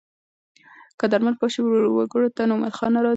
که درمل پاشي وکړو نو ملخان نه راځي.